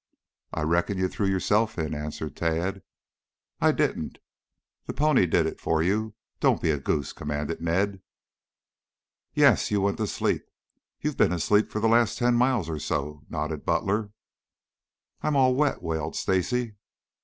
"I reckon you threw yourself in," answered Tad. "I didn't." "The pony did it for you. Don't be a goose," commanded Ned. "Yes, you went to sleep. You've been asleep for the last ten miles or so," nodded Butler. "I'm all wet," wailed Stacy.